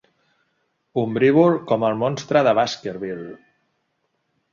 Ombrívol com el monstre de Baskerville.